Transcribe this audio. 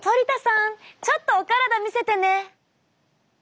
ちょっとお体見せてね！